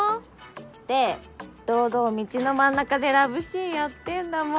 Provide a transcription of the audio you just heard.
で堂々道の真ん中でラブシーンやってんだもん。